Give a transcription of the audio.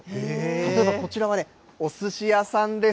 例えばこちらはね、おすし屋さんです。